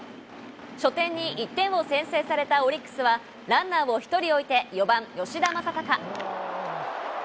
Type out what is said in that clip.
初回に１点を先制されたオリックスはランナーを１人置いて４番吉田正尚。